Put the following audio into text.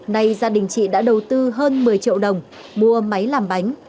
nay gia đình chị đã đầu tư hơn một mươi triệu đồng mua máy làm bánh